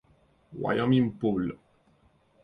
Wyoming Publ.